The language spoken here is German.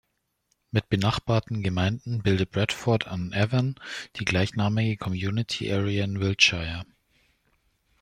Mit benachbarten Gemeinden bildet Bradford on Avon die gleichnamige "Community Area" in Wiltshire.